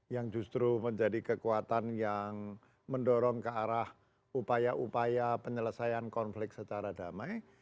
yang justru menjadi kekuatan yang mendorong ke arah upaya upaya penyelesaian konflik secara damai